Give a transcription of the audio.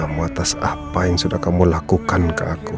kamu atas apa yang sudah kamu lakukan ke aku